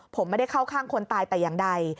ผมไม่ได้เข้าข้างคนตายแต่อย่างใด